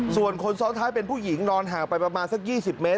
ส่วนคนซ้อนท้ายเป็นผู้หญิงนอนห่างไปประมาณสัก๒๐เมตร